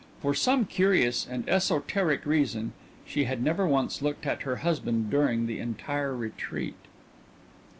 For some curious and esoteric reason she had never once looked at her husband during the entire retreat.